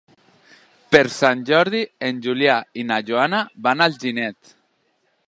Per Sant Jordi en Julià i na Joana van a Alginet.